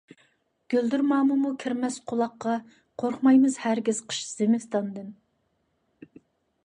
گۈلدۈرمامىمۇ كىرمەس قۇلاققا، قورقمايمىز ھەرگىز قىش - زىمىستاندىن.